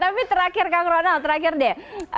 tapi terakhir kang ronald terakhir deh